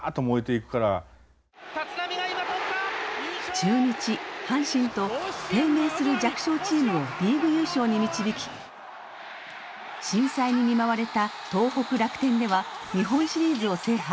中日阪神と低迷する弱小チームをリーグ優勝に導き震災に見舞われた東北楽天では日本シリーズを制覇。